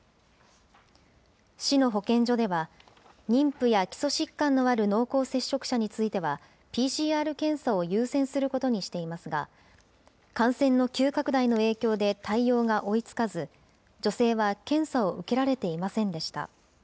市の保健所では、妊婦や基礎疾患のある濃厚接触者については、ＰＣＲ検査を優先することにしていますが、感染の急拡大の影響で対応が追いつかず、女性は検査を受けられていませんでした。